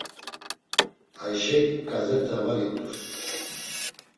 Ayşek ǩazeta va it̆urs.